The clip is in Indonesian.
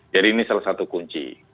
jadi ini salah satu kunci